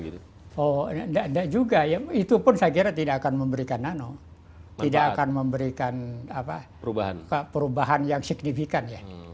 tidak juga ya itu pun saya kira tidak akan memberikan nano tidak akan memberikan perubahan yang signifikan ya